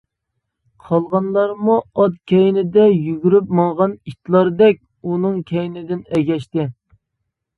قالغانلارمۇ ئات كەينىدە يۈگۈرۈپ ماڭغان ئىتلاردەك ئۇنىڭ كەينىدىن ئەگەشتى.